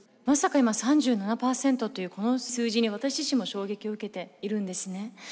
まさか今３７％というこの数字に私自身も衝撃を受けているんですね。